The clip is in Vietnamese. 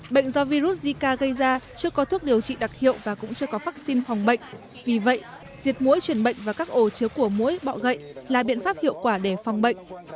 bệnh do virus zika gây ra chưa có thuốc điều trị đặc hiệu và cũng chưa có vaccine phòng bệnh vì vậy diệt mũi chuyển bệnh và các ổ chứa của mũi bọ gậy là biện pháp hiệu quả để phòng bệnh